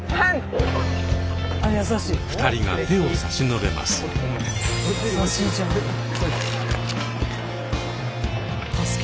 ２人が手を差し伸べます。